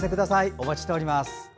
お待ちしております。